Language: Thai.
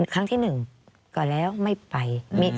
ครั้งที่๑ก่อนแล้วไม่ไป